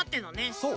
そう。